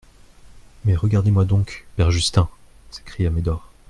Mais regardez-moi donc, père Justin ! s'écria Médor.